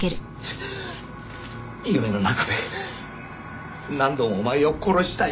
夢の中で何度もお前を殺したよ。